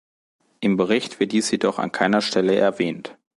Im Bericht wird dies jedoch an keiner Stelle erwähnt.